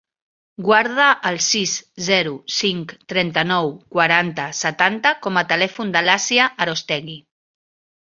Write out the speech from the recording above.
Guarda el sis, zero, cinc, trenta-nou, quaranta, setanta com a telèfon de l'Asia Arostegui.